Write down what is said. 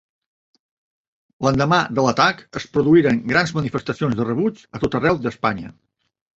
L'endemà de l'atac es produïren grans manifestacions de rebuig a tot arreu d'Espanya.